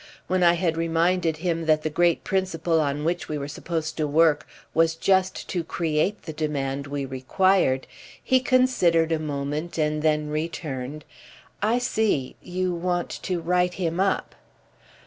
When I had reminded him that the great principle on which we were supposed to work was just to create the demand we required, he considered a moment and then returned: "I see—you want to write him up."